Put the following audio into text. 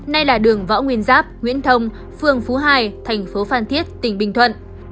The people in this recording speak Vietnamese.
này là đường võ nguyên giáp nguyễn thông phương phú hai tp phan thiết tỉnh bình thuận